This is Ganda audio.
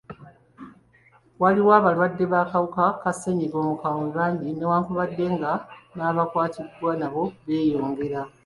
Waliwo abalwadde b'akawuka ka sennyiga omukambwe bangi newankubadde nga n'abakwatibwa nabo beyongera.